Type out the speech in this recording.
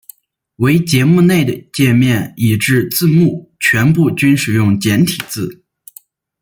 唯节目内的介面以至字幕全部均使用简体字。